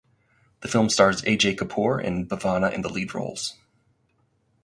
The film stars Ajay Kapoor and Bhavana in the lead roles.